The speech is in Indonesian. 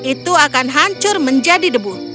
itu akan hancur menjadi debu